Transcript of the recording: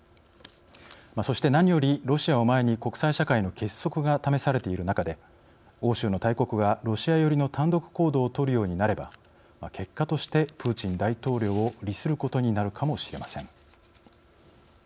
そして何より、ロシアを前に国際社会の結束が試されている中で欧州の大国がロシア寄りの単独行動を取るようになれば結果としてプーチン大統領を利することになるかも知れません。